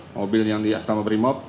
mobil yang di asal berimob